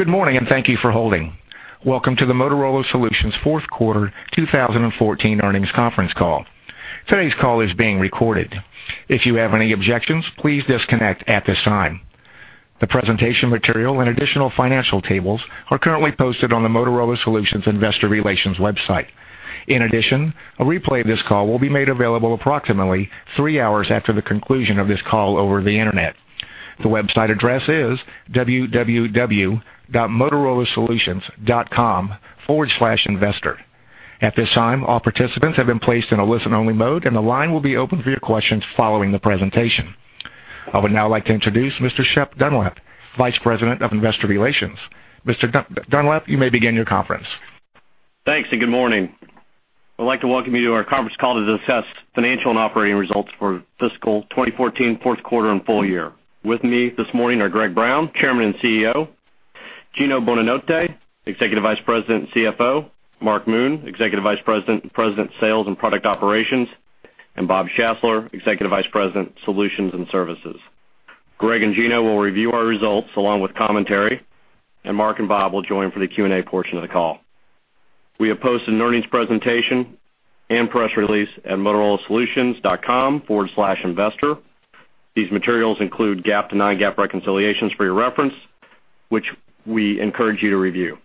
Good morning, and thank you for holding. Welcome to the Motorola Solutions Fourth Quarter 2014 Earnings Conference Call. Today's call is being recorded. If you have any objections, please disconnect at this time. The presentation material and additional financial tables are currently posted on the Motorola Solutions investor relations website. In addition, a replay of this call will be made available approximately three hours after the conclusion of this call over the internet. The website address is www.motorolasolutions.com/investor. At this time, all participants have been placed in a listen-only mode, and the line will be open for your questions following the presentation. I would now like to introduce Mr. Shep Dunlap, Vice President of Investor Relations. Mr. Dunlap, you may begin your conference. Thanks, and good morning. I'd like to welcome you to our conference call to discuss financial and operating results for fiscal 2014, fourth quarter and full year. With me this morning are Greg Brown, Chairman and CEO, Gino Bonanotte, Executive Vice President and CFO, Mark Moon, Executive Vice President, and President, Sales and Product Operations, and Bob Schassler, Executive Vice President, Solutions and Services. Greg and Gino will review our results along with commentary, and Mark and Bob will join for the Q&A portion of the call. We have posted an earnings presentation and press release at motorolasolutions.com/investor. These materials include GAAP to non-GAAP reconciliations for your reference, which we encourage you to review.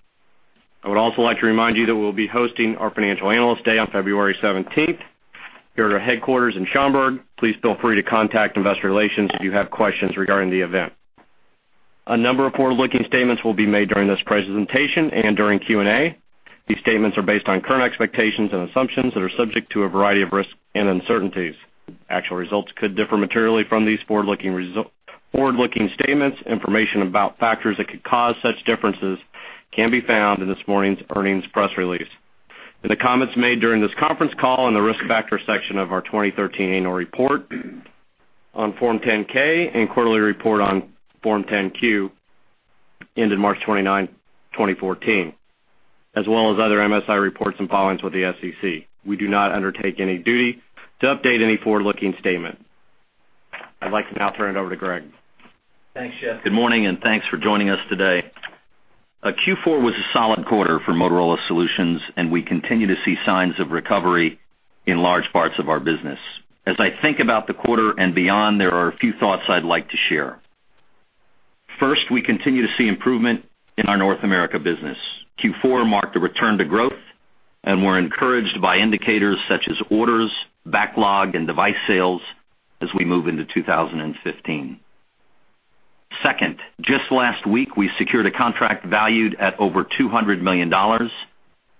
I would also like to remind you that we'll be hosting our Financial Analyst Day on February 17th, here at our headquarters in Schaumburg. Please feel free to contact investor relations if you have questions regarding the event. A number of forward-looking statements will be made during this presentation and during Q&A. These statements are based on current expectations and assumptions that are subject to a variety of risks and uncertainties. Actual results could differ materially from these forward-looking statements. Information about factors that could cause such differences can be found in this morning's earnings press release. In the comments made during this conference call, in the risk factors section of our 2013 annual report on Form 10-K and quarterly report on Form 10-Q, ended March 29th, 2014, as well as other MSI reports and filings with the SEC. We do not undertake any duty to update any forward-looking statement. I'd like to now turn it over to Greg. Thanks, Shep. Good morning, and thanks for joining us today. Q4 was a solid quarter for Motorola Solutions, and we continue to see signs of recovery in large parts of our business. As I think about the quarter and beyond, there are a few thoughts I'd like to share. First, we continue to see improvement in our North America business. Q4 marked a return to growth, and we're encouraged by indicators such as orders, backlog, and device sales as we move into 2015. Second, just last week, we secured a contract valued at over $200 million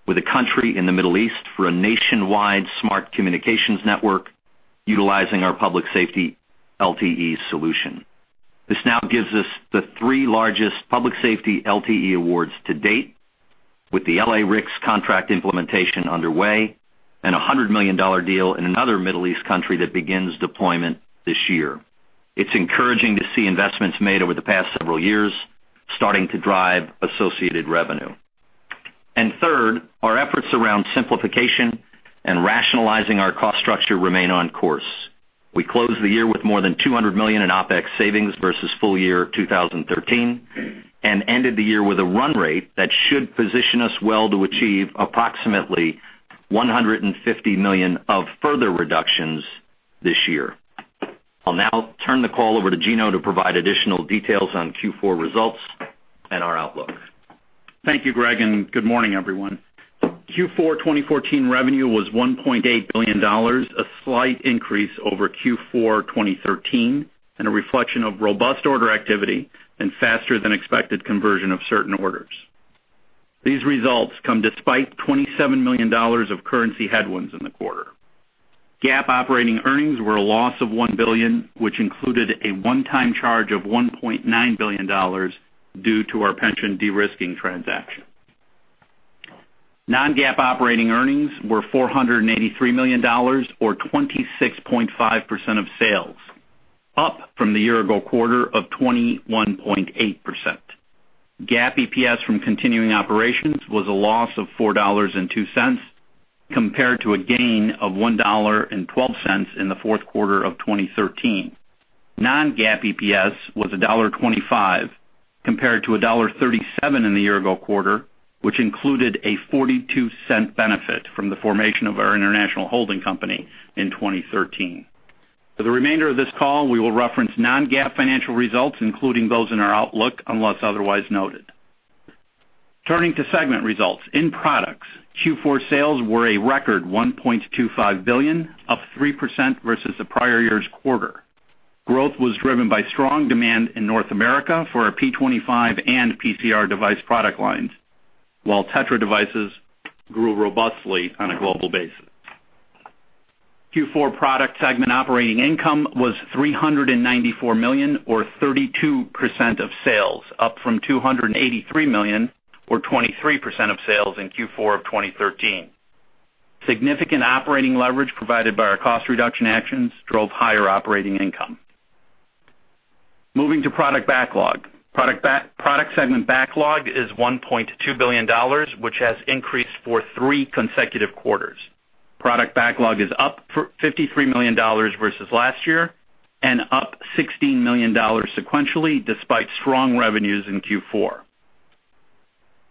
with a country in the Middle East for a nationwide smart communications network utilizing our Public Safety LTE solution. This now gives us the three largest public safety LTE awards to date, with the LA-RICS contract implementation underway and a $100 million deal in another Middle East country that begins deployment this year. It's encouraging to see investments made over the past several years starting to drive associated revenue. And third, our efforts around simplification and rationalizing our cost structure remain on course. We closed the year with more than $200 million in OpEx savings versus full year 2013, and ended the year with a run rate that should position us well to achieve approximately $150 million of further reductions this year. I'll now turn the call over to Gino to provide additional details on Q4 results and our outlook. Thank you, Greg, and good morning, everyone. Q4 2014 revenue was $1.8 billion, a slight increase over Q4 2013 and a reflection of robust order activity and faster-than-expected conversion of certain orders. These results come despite $27 million of currency headwinds in the quarter. GAAP operating earnings were a loss of $1 billion, which included a one-time charge of $1.9 billion due to our pension de-risking transaction. Non-GAAP operating earnings were $483 million, or 26.5% of sales, up from the year ago quarter of 21.8%. GAAP EPS from continuing operations was a loss of $4.02, compared to a gain of $1.12 in the fourth quarter of 2013. Non-GAAP EPS was $1.25, compared to $1.37 in the year-ago quarter, which included a $0.42 benefit from the formation of our international holding company in 2013. For the remainder of this call, we will reference non-GAAP financial results, including those in our outlook, unless otherwise noted. Turning to segment results. In Products, Q4 sales were a record $1.25 billion, up 3% versus the prior-year's quarter. Growth was driven by strong demand in North America for our P25 and PCR device product lines, while TETRA devices grew robustly on a global basis. Q4 Products segment operating income was $394 million, or 32% of sales, up from $283 million, or 23% of sales in Q4 of 2013. Significant operating leverage provided by our cost reduction actions drove higher operating income. Moving to product backlog. Products segment backlog is $1.2 billion, which has increased for three consecutive quarters. Product backlog is up $53 million versus last year, and up $16 million sequentially, despite strong revenues in Q4.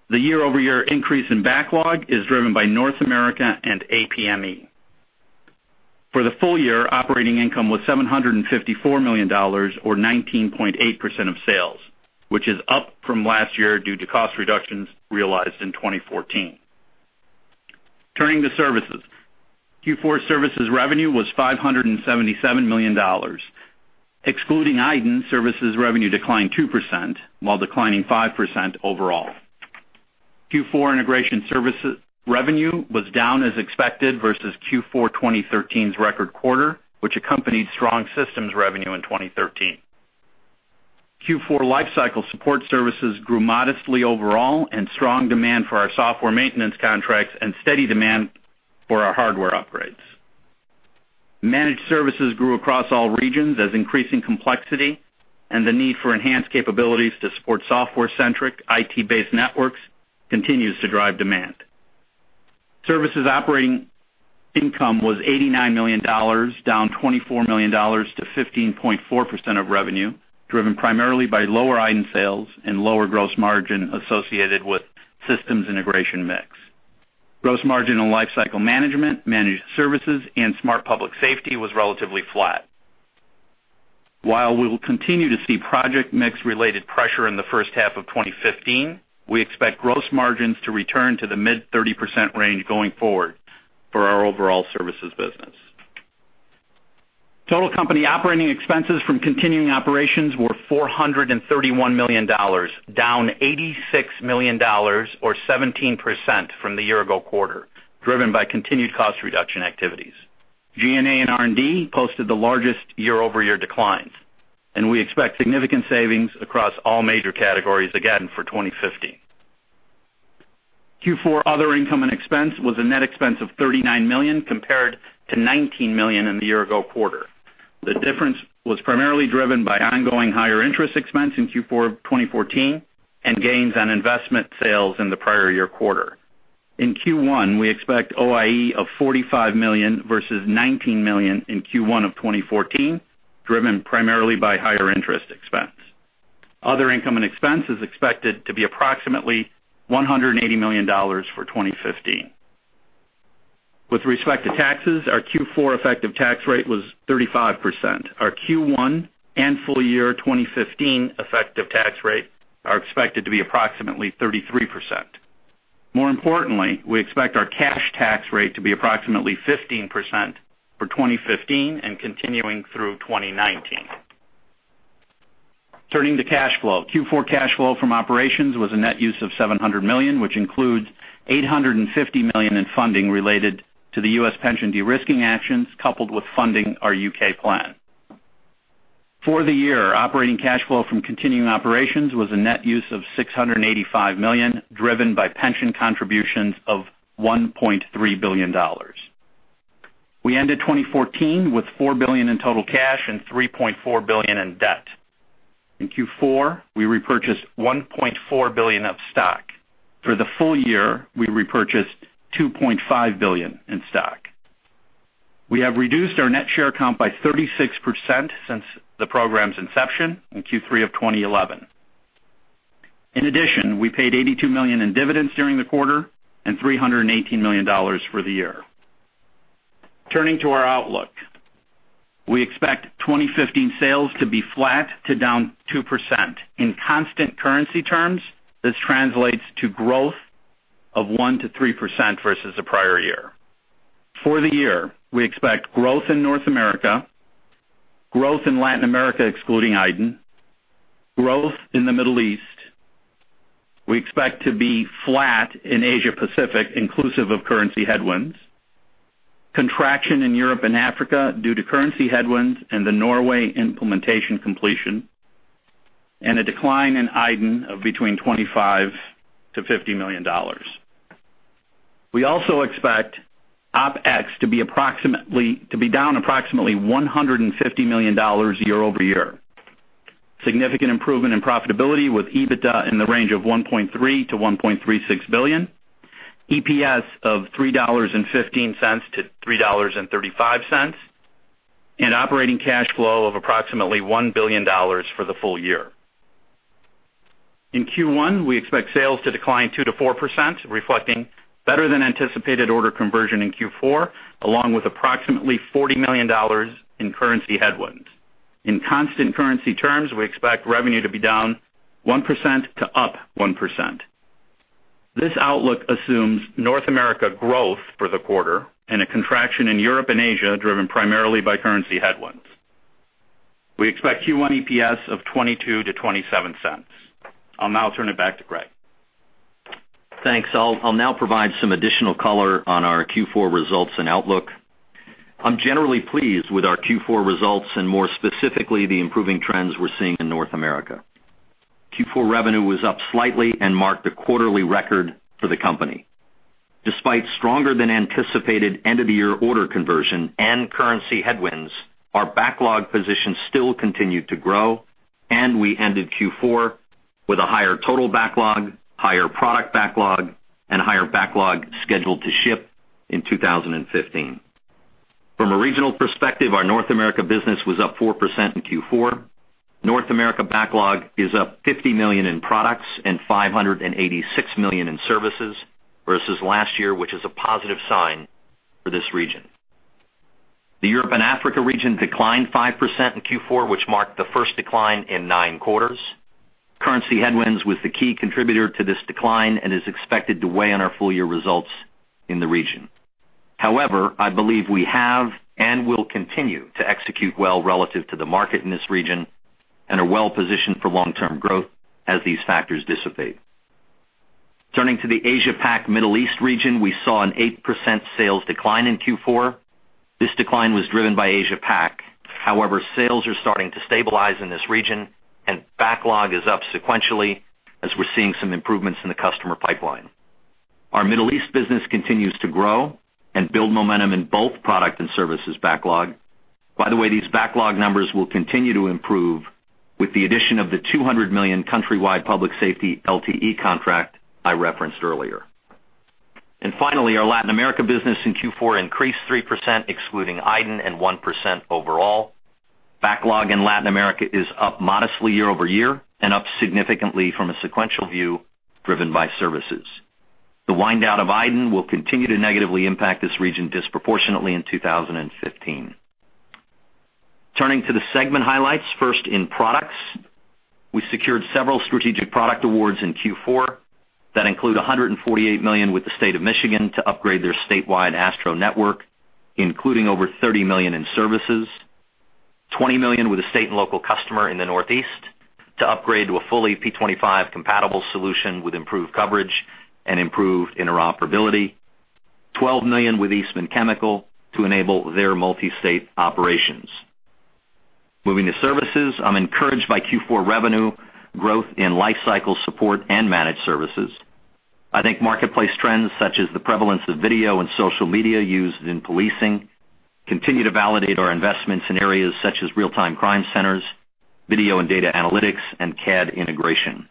The year-over-year increase in backlog is driven by North America and APME. For the full year, operating income was $754 million or 19.8% of sales, which is up from last year due to cost reductions realized in 2014. Turning to Services. Q4 Services revenue was $577 million. Excluding iDEN, services revenue declined 2%, while declining 5% overall. Q4 Integration Services revenue was down as expected versus Q4 2013's record quarter, which accompanied strong Systems revenue in 2013. Q4 lifecycle support services grew modestly overall, and strong demand for our software maintenance contracts and steady demand for our hardware upgrades. Managed services grew across all regions as increasing complexity and the need for enhanced capabilities to support software-centric, IT-based networks continues to drive demand. Services operating income was $89 million, down $24 million to 15.4% of revenue, driven primarily by lower iDEN sales and lower gross margin associated with systems integration mix. Gross margin and lifecycle management, managed services, and smart public safety was relatively flat. While we will continue to see project mix-related pressure in the first half of 2015, we expect gross margins to return to the mid-30% range going forward for our overall Services business. Total company operating expenses from continuing operations were $431 million, down $86 million or 17% from the year-ago quarter, driven by continued cost reduction activities. G&A and R&D posted the largest year-over-year declines, and we expect significant savings across all major categories again for 2015. Q4 other income and expense was a net expense of $39 million, compared to $19 million in the year-ago quarter. The difference was primarily driven by ongoing higher interest expense in Q4 of 2014 and gains on investment sales in the prior-year quarter. In Q1, we expect OIE of $45 million versus $19 million in Q1 of 2014, driven primarily by higher interest expense. Other income and expense is expected to be approximately $180 million for 2015. With respect to taxes, our Q4 effective tax rate was 35%. Our Q1 and full year 2015 effective tax rate are expected to be approximately 33%. More importantly, we expect our cash tax rate to be approximately 15% for 2015 and continuing through 2019. Turning to cash flow. Q4 cash flow from operations was a net use of $700 million, which includes $850 million in funding related to the U.S. pension de-risking actions, coupled with funding our U.K. plan. For the year, operating cash flow from continuing operations was a net use of $685 million, driven by pension contributions of $1.3 billion. We ended 2014 with $4 billion in total cash and $3.4 billion in debt. In Q4, we repurchased $1.4 billion of stock. For the full year, we repurchased $2.5 billion in stock. We have reduced our net share count by 36% since the program's inception in Q3 of 2011. In addition, we paid $82 million in dividends during the quarter and $318 million for the year. Turning to our outlook. We expect 2015 sales to be flat to down 2%. In constant currency terms, this translates to growth of 1%-3% versus the prior year. For the year, we expect growth in North America, growth in Latin America, excluding iDEN, growth in the Middle East. We expect to be flat in Asia-Pacific, inclusive of currency headwinds, contraction in Europe and Africa due to currency headwinds and the Norway implementation completion, and a decline in iDEN of between $25 million-$50 million. We also expect OpEx to be approximately to be down approximately $150 million year-over-year. Significant improvement in profitability with EBITDA in the range of $1.3 billion-$1.36 billion, EPS of $3.15-$3.35, and operating cash flow of approximately $1 billion for the full year. In Q1, we expect sales to decline 2%-4%, reflecting better-than-anticipated order conversion in Q4, along with approximately $40 million in currency headwinds. In constant currency terms, we expect revenue to be down 1% to up 1%. This outlook assumes North America growth for the quarter and a contraction in Europe and Asia, driven primarily by currency headwinds. We expect Q1 EPS of $0.22-$0.27. I'll now turn it back to Greg. Thanks. I'll now provide some additional color on our Q4 results and outlook. I'm generally pleased with our Q4 results, and more specifically, the improving trends we're seeing in North America. Q4 revenue was up slightly and marked a quarterly record for the company. Despite stronger-than-anticipated end-of-the-year order conversion and currency headwinds, our backlog position still continued to grow, and we ended Q4 with a higher total backlog, higher product backlog, and higher backlog scheduled to ship in 2015. From a regional perspective, our North America business was up 4% in Q4. North America backlog is up $50 million in Products and $586 million in Services versus last year, which is a positive sign for this region. The Europe and Africa region declined 5% in Q4, which marked the first decline in nine quarters. Currency headwinds was the key contributor to this decline and is expected to weigh on our full-year results in the region. However, I believe we have and will continue to execute well relative to the market in this region and are well-positioned for long-term growth as these factors dissipate. Turning to the Asia-Pac Middle East region, we saw an 8% sales decline in Q4. This decline was driven by Asia-Pac. However, sales are starting to stabilize in this region, and backlog is up sequentially as we're seeing some improvements in the customer pipeline. Our Middle East business continues to grow and build momentum in both Product and Services backlog. By the way, these backlog numbers will continue to improve with the addition of the $200 million countrywide public safety LTE contract I referenced earlier. And finally, our Latin America business in Q4 increased 3%, excluding iDEN, and 1% overall. Backlog in Latin America is up modestly year-over-year and up significantly from a sequential view driven by services. The wind down of iDEN will continue to negatively impact this region disproportionately in 2015. Turning to the segment highlights. First, in Products, we secured several strategic product awards in Q4 that include $148 million with the State of Michigan to upgrade their state-wide ASTRO network, including over $30 million in Services, $20 million with a state and local customer in the Northeast to upgrade to a fully P25-compatible solution with improved coverage and improved interoperability, $12 million with Eastman Chemical to enable their multi-state operations. Moving to Services, I'm encouraged by Q4 revenue growth in life cycle support and managed services. I think marketplace trends, such as the prevalence of video and social media used in policing, continue to validate our investments in areas such as real-time crime centers, video and data analytics, and CAD integration.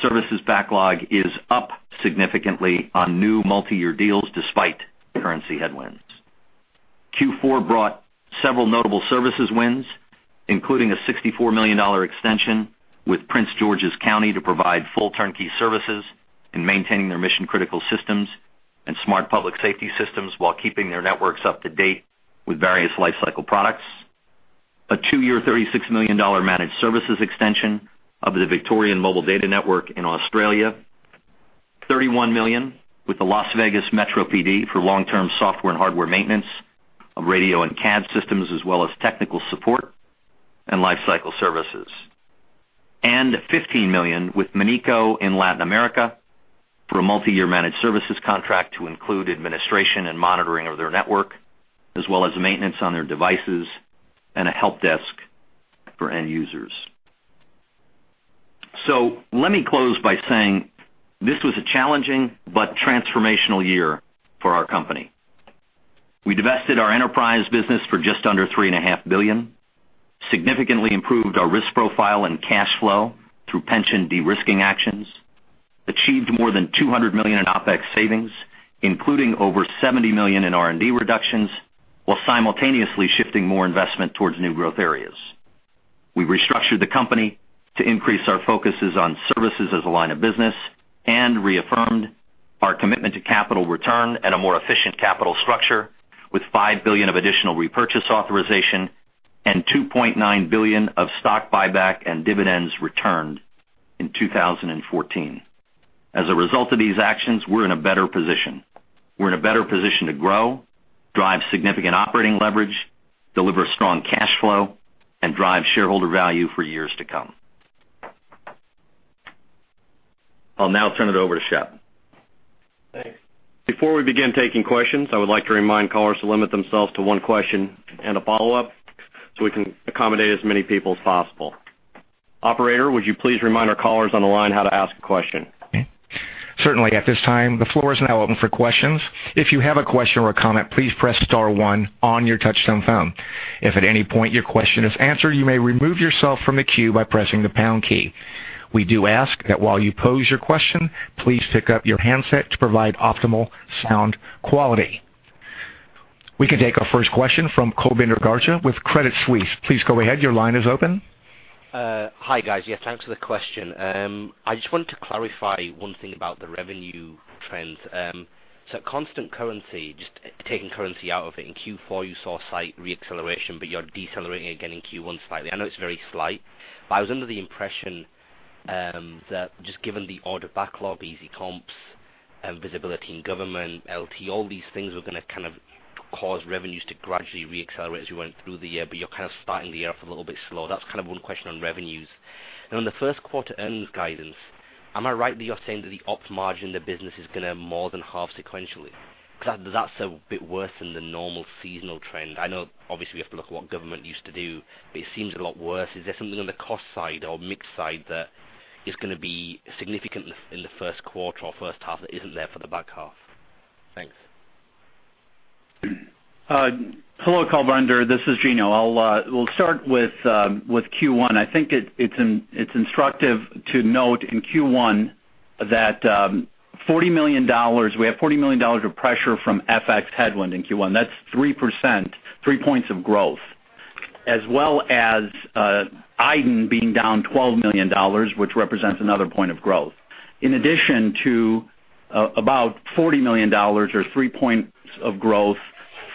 Services backlog is up significantly on new multiyear deals despite currency headwinds. Q4 brought several notable Services wins, including a $64 million extension with Prince George's County to provide full turnkey services in maintaining their mission-critical systems and smart public safety systems while keeping their networks up to date with various life cycle products. A two-year, $36 million managed services extension of the Victorian Mobile Data Network in Australia, $31 million with the Las Vegas Metro PD for long-term software and hardware maintenance of radio and CAD systems, as well as technical support and life cycle services, and $15 million with Mininco in Latin America for a multiyear managed services contract to include administration and monitoring of their network, as well as maintenance on their devices and a help desk for end users. So let me close by saying this was a challenging but transformational year for our company. We divested our enterprise business for just under $3.5 billion, significantly improved our risk profile and cash flow through pension de-risking actions, achieved more than $200 million in OpEx savings, including over $70 million in R&D reductions, while simultaneously shifting more investment towards new growth areas. We restructured the company to increase our focuses on Services as a line of business and reaffirmed our commitment to capital return and a more efficient capital structure with $5 billion of additional repurchase authorization and $2.9 billion of stock buyback and dividends returned in 2014. As a result of these actions, we're in a better position. We're in a better position to grow, drive significant operating leverage, deliver strong cash flow, and drive shareholder value for years to come. I'll now turn it over to Shep. Thanks. Before we begin taking questions, I would like to remind callers to limit themselves to one question and a follow-up, so we can accommodate as many people as possible. Operator, would you please remind our callers on the line how to ask a question? Certainly. At this time, the floor is now open for questions. If you have a question or a comment, please press star one on your touchtone phone. If at any point your question is answered, you may remove yourself from the queue by pressing the pound key. We do ask that while you pose your question, please pick up your handset to provide optimal sound quality. We can take our first question from Kulbinder Garcha with Credit Suisse. Please go ahead. Your line is open. Hi, guys. Yes, thanks for the question. I just wanted to clarify one thing about the revenue trends. So constant currency, just taking currency out of it, in Q4, you saw sales reacceleration, but you're decelerating again in Q1 slightly. I know it's very slight, but I was under the impression that just given the order backlog, easy comps and visibility in government, LTE, all these things were going to kind of cause revenues to gradually reaccelerate as you went through the year, but you're kind of starting the year off a little bit slow. That's kind of one question on revenues. Now, on the first quarter earnings guidance, am I right that you're saying that the ops margin in the business is going to more than halve sequentially? Because that's a bit worse than the normal seasonal trend. I know obviously, you have to look at what government used to do, but it seems a lot worse. Is there something on the cost side or mix side that is going to be significant in the first quarter or first half that isn't there for the back half? Thanks. Hello, Kulbinder, this is Gino. I'll, we'll start with Q1. I think it's instructive to note in Q1 that, $40 million, we have $40 million of pressure from FX headwind in Q1. That's 3%, three points of growth, as well as, iDEN being down $12 million, which represents another point of growth. In addition to, about $40 million or three points of growth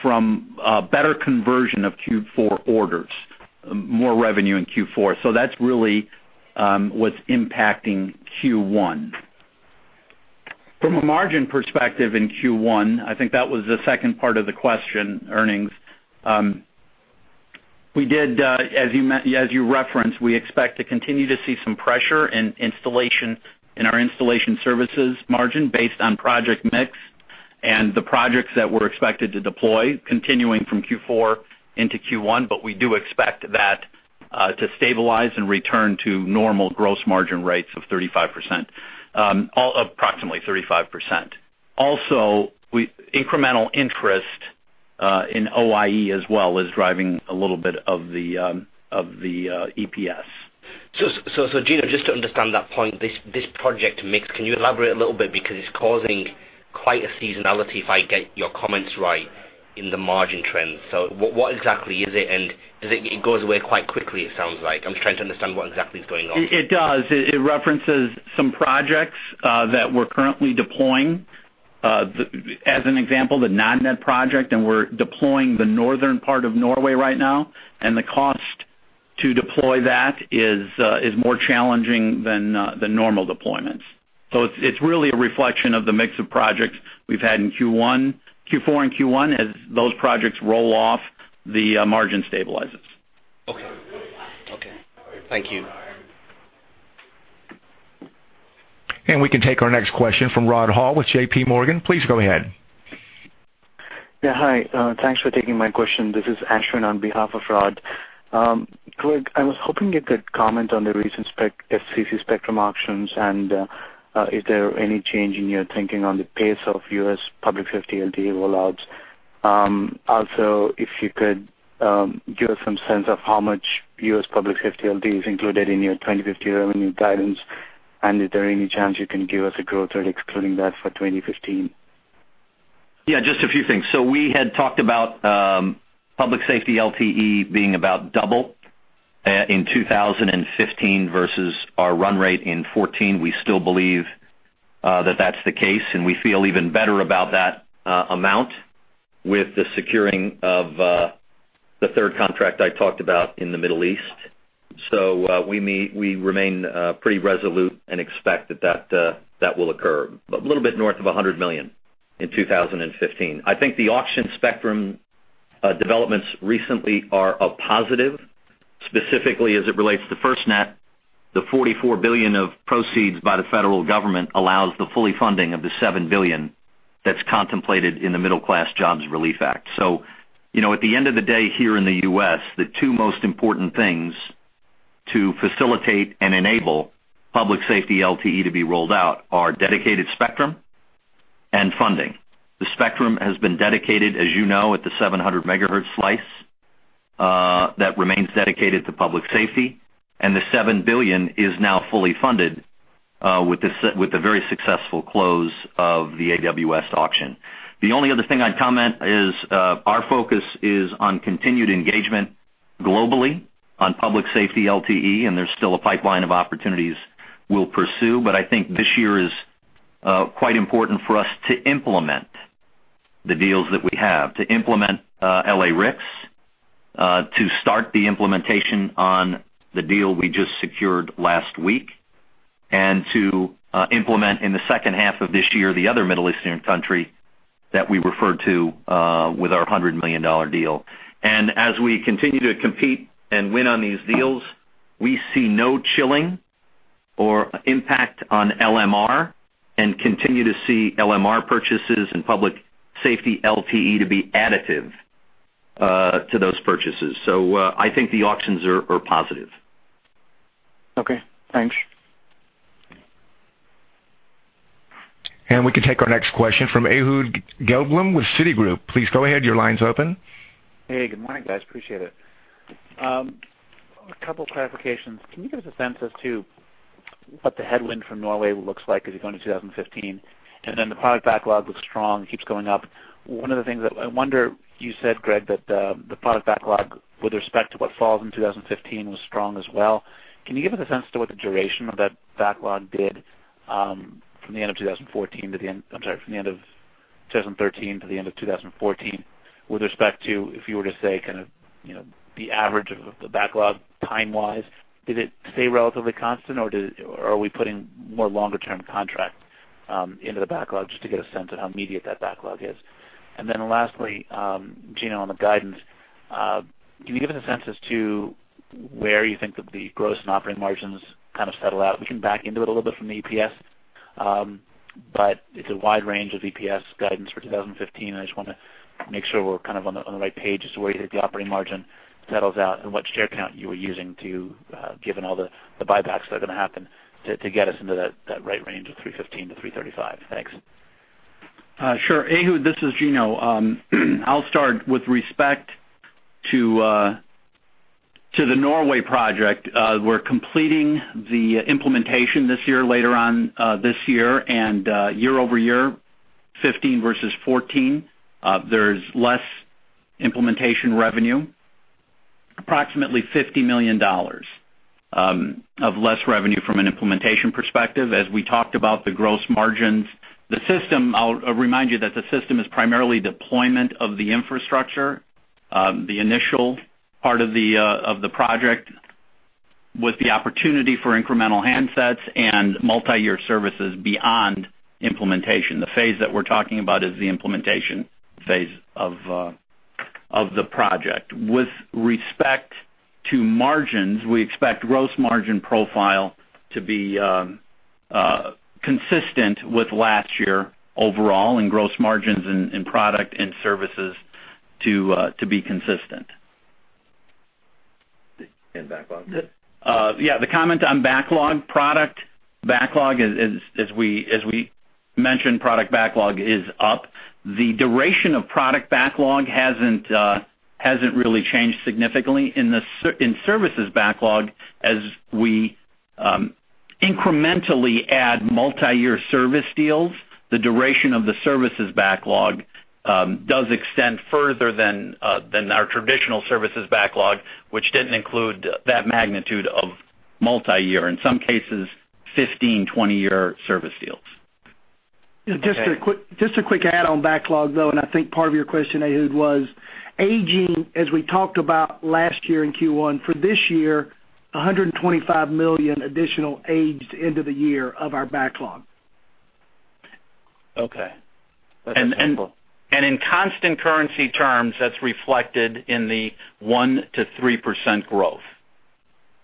from a better conversion of Q4 orders, more revenue in Q4. So that's really, what's impacting Q1. From a margin perspective in Q1, I think that was the second part of the question, earnings. We did, as you referenced, we expect to continue to see some pressure in installation, in our installation services margin based on project mix and the projects that we're expected to deploy, continuing from Q4 into Q1. But we do expect that, to stabilize and return to normal gross margin rates of 35%, all approximately 35%. Also, incremental interest, in OIE as well is driving a little bit of the, of the, EPS. So, Gino, just to understand that point, this project mix, can you elaborate a little bit? Because it's causing quite a seasonality, if I get your comments right, in the margin trends. So what exactly is it, and does it go away quite quickly, it sounds like. I'm trying to understand what exactly is going on. It does. It references some projects that we're currently deploying. As an example, the Nødnett project, and we're deploying the northern part of Norway right now, and the cost to deploy that is more challenging than the normal deployments. So it's really a reflection of the mix of projects we've had in Q4 and Q1. As those projects roll off, the margin stabilizes. Okay. Okay. Thank you. We can take our next question from Rod Hall with JPMorgan. Please go ahead. Yeah, hi, thanks for taking my question. This is Ashwin on behalf of Rod. Greg, I was hoping you could comment on the recent FCC spectrum auctions, and is there any change in your thinking on the pace of U.S. Public Safety LTE rollouts? Also, if you could give us some sense of how much U.S. Public Safety LTE is included in your 2015 revenue guidance, and is there any chance you can give us a growth rate, including that for 2015? Yeah, just a few things. So we had talked about public safety LTE being about double in 2015 versus our run rate in 2014. We still believe that that's the case, and we feel even better about that amount with the securing of the third contract I talked about in the Middle East. So we remain pretty resolute and expect that that will occur, but a little bit north of $100 million in 2015. I think the spectrum auction developments recently are a positive, specifically as it relates to FirstNet. The $44 billion of proceeds by the federal government allows the fully funding of the $7 billion that's contemplated in the Middle Class Jobs Relief Act. So, you know, at the end of the day, here in the U.S., the two most important things to facilitate and enable public safety LTE to be rolled out are dedicated spectrum and funding. The spectrum has been dedicated, as you know, at the 700-MHz slice, that remains dedicated to public safety, and the $7 billion is now fully-funded, with the very successful close of the AWS auction. The only other thing I'd comment is, our focus is on continued engagement globally on public safety LTE, and there's still a pipeline of opportunities we'll pursue. But I think this year is quite important for us to implement the deals that we have, to implement LA-RICS, to start the implementation on the deal we just secured last week, and to implement in the second half of this year, the other Middle Eastern country that we referred to, with our $100-million deal. And as we continue to compete and win on these deals, we see no chilling or impact on LMR and continue to see LMR purchases and public safety LTE to be additive to those purchases. So I think the auctions are positive. Okay, thanks. We can take our next question from Ehud Gelblum with Citigroup. Please go ahead. Your line's open. Hey, good morning, guys. Appreciate it. A couple clarifications. Can you give us a sense as to what the headwind from Norway looks like as you go into 2015? And then the product backlog looks strong, keeps going up. One of the things that I wonder, you said, Greg, that, the product backlog with respect to what falls in 2015 was strong as well. Can you give us a sense to what the duration of that backlog did, from the end of 2014 to the end. I'm sorry, from the end of 2013 to the end of 2014, with respect to, if you were to say, kind of, you know, the average of the backlog time-wise, did it stay relatively constant, or are we putting more longer-term contract into the backlog? Just to get a sense of how immediate that backlog is. And then lastly, Gino, on the guidance, can you give us a sense as to where you think that the gross and operating margins kind of settle out? We can back into it a little bit from the EPS, but it's a wide range of EPS guidance for 2015. I just want to make sure we're kind of on the right page as to where you think the operating margin settles out and what share count you were using to, given all the buybacks that are going to happen, to get us into that right range of 315-335. Thanks. Sure. Ehud, this is Gino. I'll start with respect to the Norway project. We're completing the implementation this year, later on this year, and year-over-year, 2015 versus 2014, there's less implementation revenue, approximately $50 million of less revenue from an implementation perspective. As we talked about the gross margins, the system, I'll remind you that the system is primarily deployment of the infrastructure, the initial part of the project, with the opportunity for incremental handsets and multiyear services beyond implementation. The phase that we're talking about is the implementation phase of the project. With respect to margins, we expect gross margin profile to be consistent with last year overall, and gross margins in Products and Services to be consistent. And backlog? Yeah, the comment on backlog, product backlog is, as we mentioned, product backlog is up. The duration of product backlog hasn't really changed significantly. In services backlog, as we incrementally add multiyear service deals, the duration of the services backlog does extend further than our traditional services backlog, which didn't include that magnitude of multiyear, in some cases, 15, 20-year service deals. Just a quick add-on to backlog, though, and I think part of your question, Ehud, was aging, as we talked about last year in Q1, for this year, $125 million additional aged into the year of our backlog. Okay. And in constant currency terms, that's reflected in the 1%-3% growth.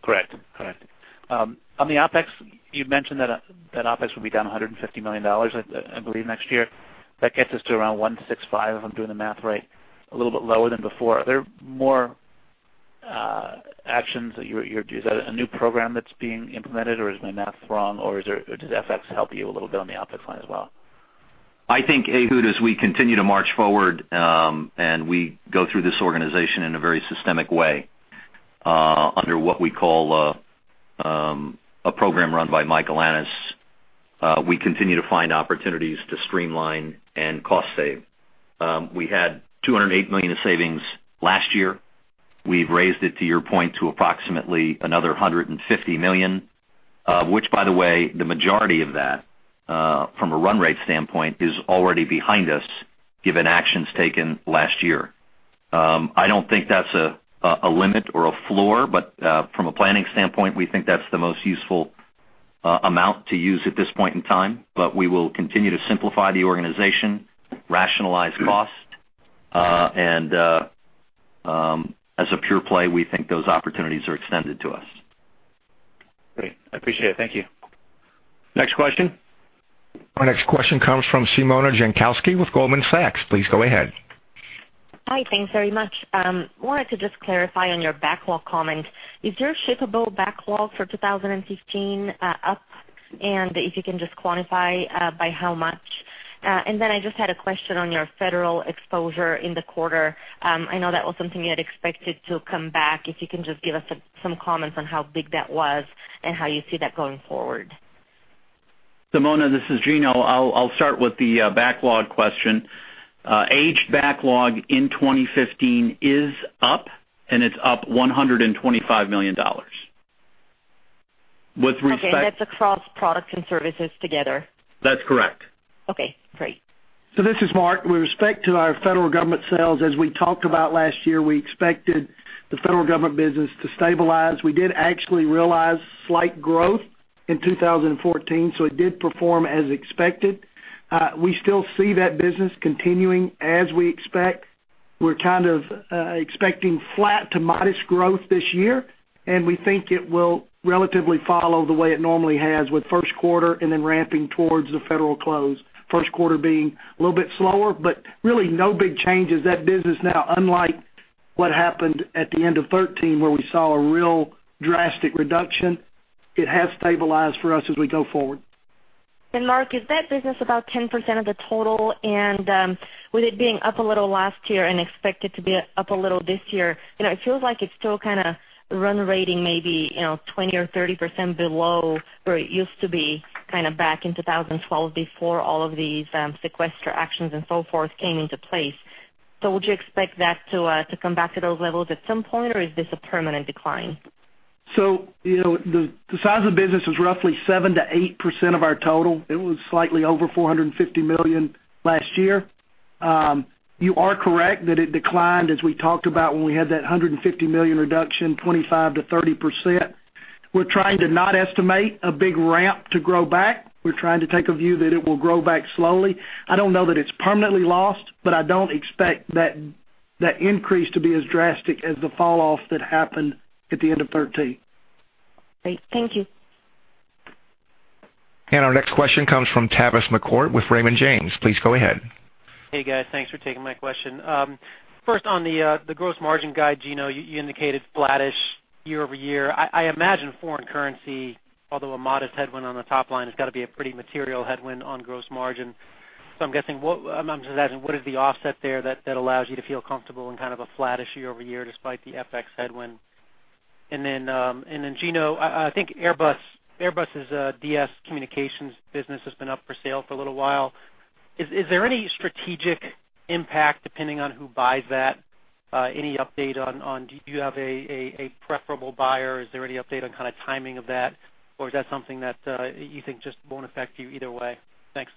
Correct, correct. On the OpEx, you mentioned that OpEx would be down $150 million, I believe, next year. That gets us to around 165, if I'm doing the math right, a little bit lower than before. Are there more actions that you're... Is that a new program that's being implemented, or is my math wrong, or does FX help you a little bit on the OpEx line as well? I think, Ehud, as we continue to march forward, and we go through this organization in a very systematic way, under what we call, a program run by Michael Annes, we continue to find opportunities to streamline and cost save. We had $208 million in savings last year. We've raised it, to your point, to approximately another $150 million, which, by the way, the majority of that, from a run rate standpoint, is already behind us, given actions taken last year. I don't think that's a limit or a floor, but, from a planning standpoint, we think that's the most useful, amount to use at this point in time. But we will continue to simplify the organization, rationalize cost, as a pure play, we think those opportunities are extended to us. Great. I appreciate it. Thank you. Next question? Our next question comes from Simona Jankowski with Goldman Sachs. Please go ahead. Hi, thanks very much. Wanted to just clarify on your backlog comment. Is your shippable backlog for 2015 up? And if you can just quantify by how much. And then I just had a question on your federal exposure in the quarter. I know that was something you had expected to come back. If you can just give us some comments on how big that was and how you see that going forward. Simona, this is Gino. I'll, I'll start with the backlog question. Aged backlog in 2015 is up, and it's up $125 million. With respect- Okay, that's across Products and Services together? That's correct. Okay, great. So this is Mark. With respect to our federal government sales, as we talked about last year, we expected the federal government business to stabilize. We did actually realize slight growth in 2014, so it did perform as expected. We still see that business continuing as we expect. We're kind of expecting flat to modest growth this year, and we think it will relatively follow the way it normally has with first quarter and then ramping towards the federal close. First quarter being a little bit slower, but really no big changes. That business now, unlike what happened at the end of 2013, where we saw a real drastic reduction, it has stabilized for us as we go forward. Mark, is that business about 10% of the total? And with it being up a little last year and expected to be up a little this year, you know, it feels like it's still kind of run rating maybe, you know, 20% or 30% below where it used to be, kind of back in 2012, before all of these sequester actions and so forth came into place. So would you expect that to come back to those levels at some point, or is this a permanent decline? So, you know, the size of the business is roughly 7%-8% of our total. It was slightly over $450 million last year. You are correct that it declined, as we talked about when we had that $150-million reduction, 25%-30%. We're trying to not estimate a big ramp to grow back. We're trying to take a view that it will grow back slowly. I don't know that it's permanently lost, but I don't expect that increase to be as drastic as the fall-off that happened at the end of 2013. Great. Thank you. Our next question comes from Tavis McCourt with Raymond James. Please go ahead. Hey, guys. Thanks for taking my question. First, on the gross margin guide, Gino, you, you indicated flattish year-over-year. I, I imagine foreign currency, although a modest headwind on the top line, has got to be a pretty material headwind on gross margin. So I'm just asking, what is the offset there that allows you to feel comfortable in kind of a flattish year-over-year, despite the FX headwind? And then, Gino, I think Airbus's DS Communications business has been up for sale for a little while. Is there any strategic impact, depending on who buys that? Any update on do you have a preferable buyer? Is there any update on kind of timing of that, or is that something that you think just won't affect you either way? Thanks.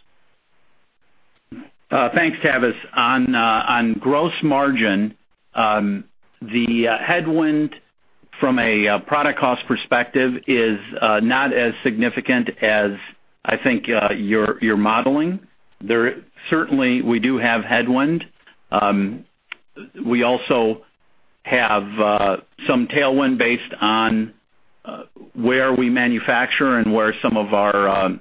Thanks, Tavis. On gross margin, the headwind from a product-cost perspective is not as significant as I think you're modeling. There. Certainly, we do have headwind. We also have some tailwind based on where we manufacture and where some of our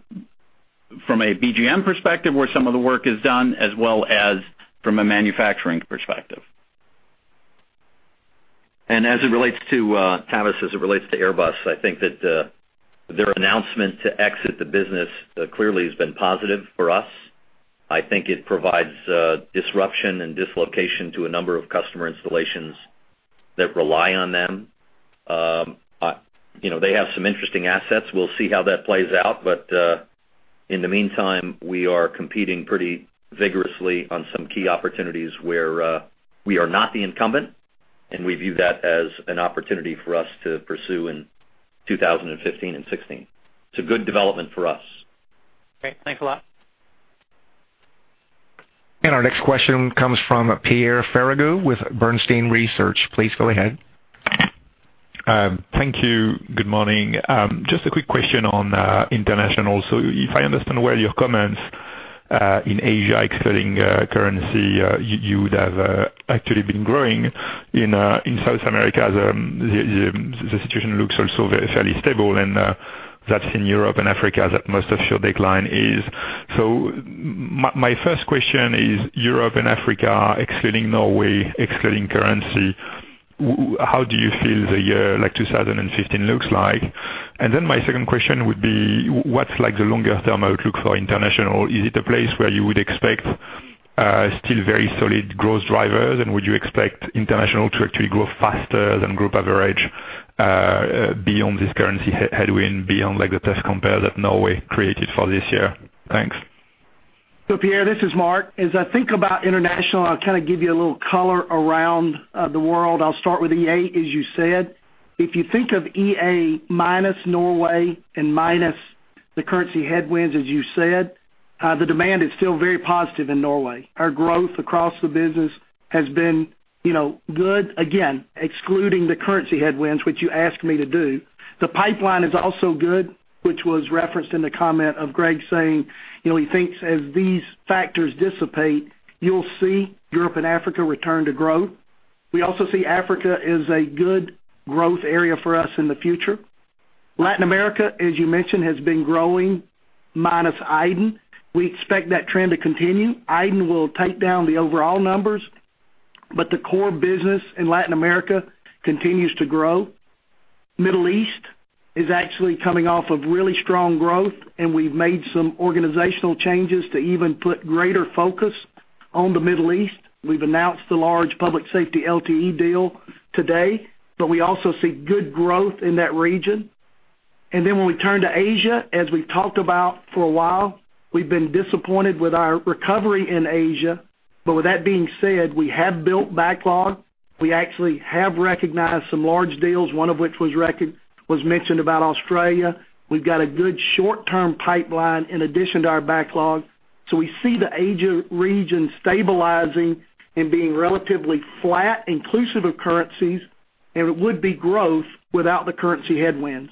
from a BGM perspective, where some of the work is done, as well as from a manufacturing perspective. And as it relates to Tavis, as it relates to Airbus, I think that their announcement to exit the business clearly has been positive for us. I think it provides disruption and dislocation to a number of customer installations that rely on them. You know, they have some interesting assets. We'll see how that plays out, but, in the meantime, we are competing pretty vigorously on some key opportunities where we are not the incumbent, and we view that as an opportunity for us to pursue in 2015 and 2016. It's a good development for us. Okay, thanks a lot. Our next question comes from Pierre Ferragu with Bernstein Research. Please go ahead. Thank you. Good morning. Just a quick question on international. So if I understand well your comments, in Asia, excluding currency, you would have actually been growing. In South America, the situation looks also very fairly stable, and that's in Europe and Africa, that most of your decline is. So my first question is, Europe and Africa, excluding Norway, excluding currency, how do you feel the year, like, 2015 looks like? And then my second question would be: What's, like, the longer-term outlook for international? Is it a place where you would expect still very solid growth drivers, and would you expect international to actually grow faster than group average, beyond this currency headwind, beyond, like, the tough compare that Norway created for this year? Thanks. So Pierre, this is Mark. As I think about international, I'll kind of give you a little color around the world. I'll start with EA, as you said. If you think of EA minus Norway and minus the currency headwinds, as you said, the demand is still very positive in Norway. Our growth across the business has been, you know, good, again, excluding the currency headwinds, which you asked me to do. The pipeline is also good, which was referenced in the comment of Greg saying, you know, he thinks as these factors dissipate, you'll see Europe and Africa return to growth. We also see Africa as a good growth area for us in the future. Latin America, as you mentioned, has been growing minus iDEN. We expect that trend to continue. iDEN will take down the overall numbers, but the core business in Latin America continues to grow. Middle East is actually coming off of really strong growth, and we've made some organizational changes to even put greater focus on the Middle East. We've announced the large public safety LTE deal today, but we also see good growth in that region. And then when we turn to Asia, as we've talked about for a while, we've been disappointed with our recovery in Asia. But with that being said, we have built backlog. We actually have recognized some large deals, one of which was mentioned about Australia. We've got a good short-term pipeline in addition to our backlog, so we see the Asia region stabilizing and being relatively flat, inclusive of currencies, and it would be growth without the currency headwinds.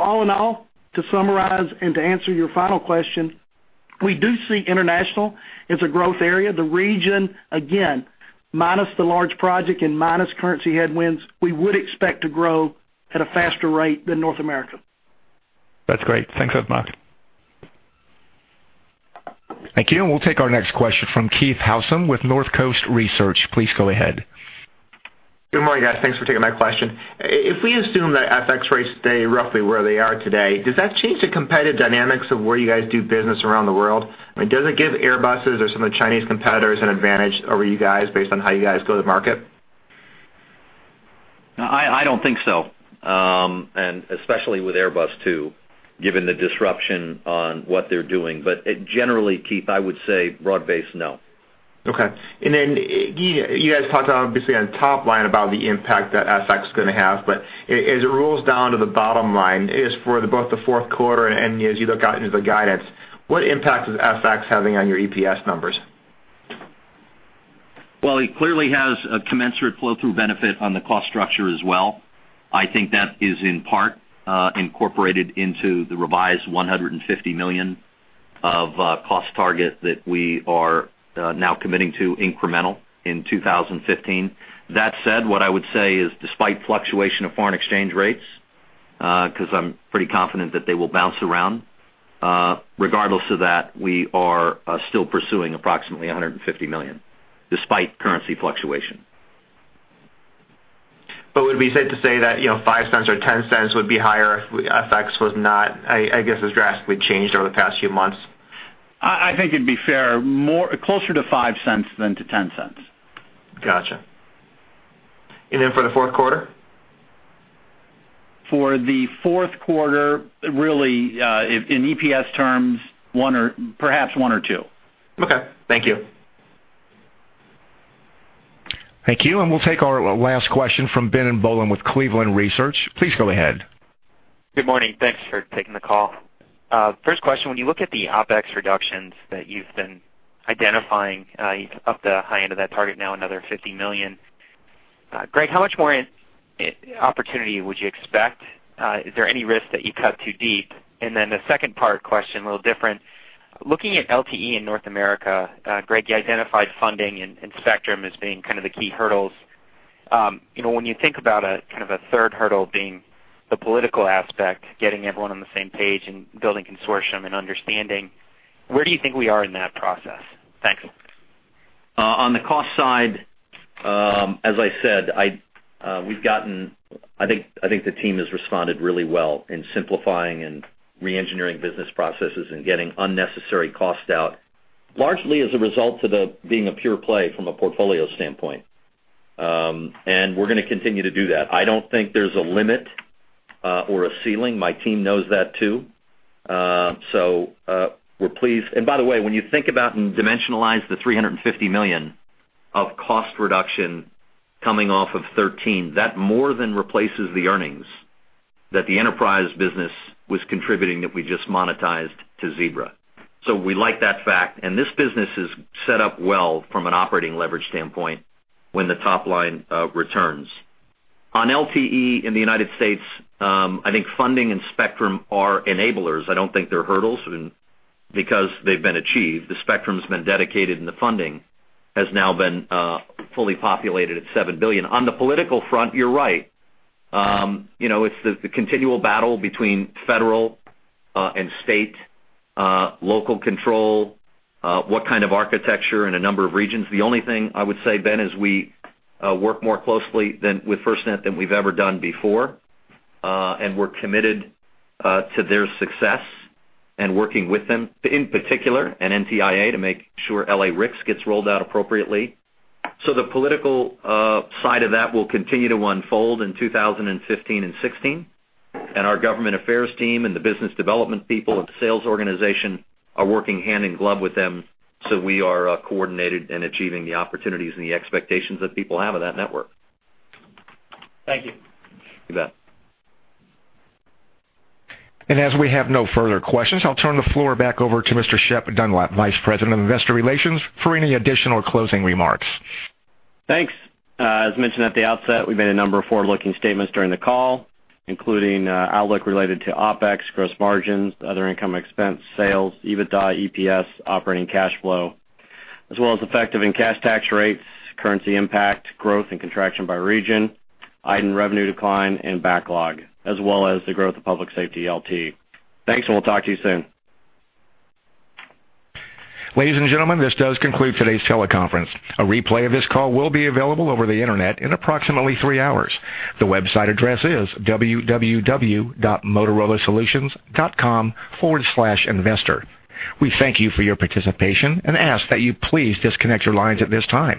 All in all, to summarize, and to answer your final question, we do see international as a growth area. The region, again, minus the large project and minus currency headwinds, we would expect to grow at a faster rate than North America. That's great. Thanks a lot, Mark. Thank you. We'll take our next question from Keith Housum with Northcoast Research. Please go ahead. Good morning, guys. Thanks for taking my question. If we assume that FX rates stay roughly where they are today, does that change the competitive dynamics of where you guys do business around the world? I mean, does it give Airbus or some of the Chinese competitors an advantage over you guys based on how you guys go to market? I don't think so. And especially with Airbus, too, given the disruption on what they're doing. But generally, Keith, I would say broad-based, no. Okay. And then, you guys talked about, obviously, on top line about the impact that FX is gonna have, but as it rolls down to the bottom line, is for both the fourth quarter and as you look out into the guidance, what impact is FX having on your EPS numbers? Well, it clearly has a commensurate flow-through benefit on the cost structure as well. I think that is, in part, incorporated into the revised $150 million of cost target that we are now committing to incremental in 2015. That said, what I would say is, despite fluctuation of foreign exchange rates, 'cause I'm pretty confident that they will bounce around, regardless of that, we are still pursuing approximately $150 million, despite currency fluctuation. So would it be safe to say that, you know, $0.05 or $0.10 would be higher if FX was not, I guess, has drastically changed over the past few months? I think it'd be fair, more, closer to $0.05 than to $0.10. Gotcha. And then for the fourth quarter? For the fourth quarter, really, in EPS terms, 1 or perhaps 1 or 2. Okay, thank you. Thank you, and we'll take our last question from Ben Bollin with Cleveland Research. Please go ahead. Good morning. Thanks for taking the call. First question, when you look at the OpEx reductions that you've been identifying, you've upped the high end of that target now, another $50 million. Greg, how much more in opportunity would you expect? Is there any risk that you cut too deep? And then the second part question, a little different. Looking at LTE in North America, Greg, you identified funding and spectrum as being kind of the key hurdles. You know, when you think about a kind of a third hurdle being the political aspect, getting everyone on the same page and building consortium and understanding, where do you think we are in that process? Thanks. On the cost side, as I said, we've gotten—I think the team has responded really well in simplifying and reengineering business processes and getting unnecessary costs out, largely as a result of the being a pure play from a portfolio standpoint. And we're going to continue to do that. I don't think there's a limit or a ceiling. My team knows that, too. So, we're pleased. And by the way, when you think about and dimensionalize the $350 million of cost reduction coming off of 2013, that more than replaces the earnings that the enterprise business was contributing, that we just monetized to Zebra. So we like that fact, and this business is set up well from an operating leverage standpoint when the top line returns. On LTE in the United States, I think funding and spectrum are enablers. I don't think they're hurdles and because they've been achieved, the spectrum's been dedicated, and the funding has now been fully-populated at $7 billion. On the political front, you're right. You know, it's the continual battle between federal and state local control, what kind of architecture in a number of regions. The only thing I would say, Ben, is we work more closely than with FirstNet than we've ever done before. And we're committed to their success and working with them, in particular, and NTIA, to make sure LA-RICS gets rolled out appropriately. So the political side of that will continue to unfold in 2015 and 2016. Our government affairs team and the business development people and the sales organization are working hand in glove with them, so we are coordinated in achieving the opportunities and the expectations that people have of that network. Thank you. You bet. As we have no further questions, I'll turn the floor back over to Mr. Shep Dunlap, Vice President of Investor Relations, for any additional closing remarks. Thanks. As mentioned at the outset, we made a number of forward-looking statements during the call, including outlook related to OpEx, gross margins, other income expense, sales, EBITDA, EPS, operating cash flow, as well as effective and cash tax rates, currency impact, growth and contraction by region, iDEN revenue decline, and backlog, as well as the growth of public safety LTE. Thanks, and we'll talk to you soon. Ladies and gentlemen, this does conclude today's teleconference. A replay of this call will be available over the Internet in approximately three hours. The website address is www.motorolasolutions.com/investor. We thank you for your participation and ask that you please disconnect your lines at this time.